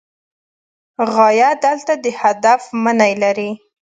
غایه دلته د هدف معنی لري.